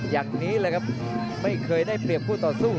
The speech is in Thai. อย่างนี้เลยครับไม่เคยได้เปรียบคู่ต่อสู้